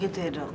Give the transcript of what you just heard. gitu ya dok